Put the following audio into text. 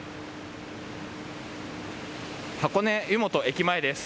箱根湯本駅前です。